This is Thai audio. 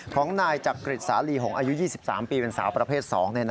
ของนายจับเกร็ดสาลีอายุ๒๓ปีสาวประเภท๒